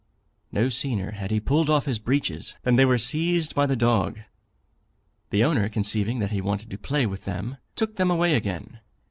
No sooner had he pulled off his breeches, than they were seized by the dog; the owner conceiving that he wanted to play with them, took them away again.